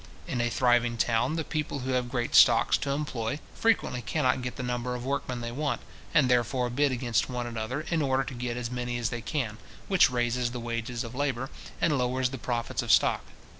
In a thriving town, the people who have great stocks to employ, frequently cannot get the number of workmen they want, and therefore bid against one another, in order to get as many as they can, which raises the wages of labour, and lowers the profits of stock.